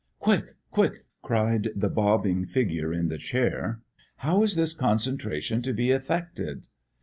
"Quick, quick!" cried the bobbing figure in the chair. "How is this concentration to be effected?"